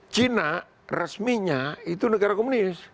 cina resminya itu negara komunis